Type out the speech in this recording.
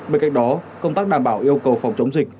bên cạnh đó công tác đảm bảo yêu cầu phòng chống dịch